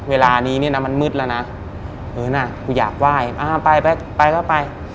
เวลานี้เนี่ยนะมันมืดแล้วนะเออน่ะกูอยากไหว้อ่าไปไปก็ไป